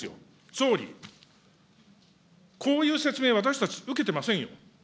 総理、こういう説明、私たち受けてませんよ。